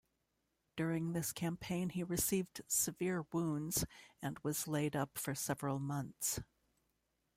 During this campaign he received severe wounds and was laid up for several months.